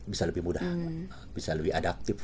bisa lebih mudah bisa lebih adaptif